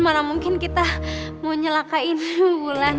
mana mungkin kita mau nyelakain bulan